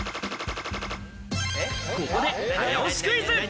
ここで早押しクイズ！